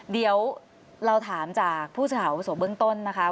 เดี๋ยวเราถามจากผู้ชาวสวบเบื้องต้นนะคะ